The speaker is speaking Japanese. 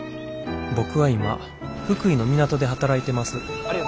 僕は今福井の港で働いてます。